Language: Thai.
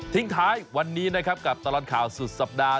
ทิ้งท้ายวันนี้นะครับกับตลอดข่าวสุดสัปดาห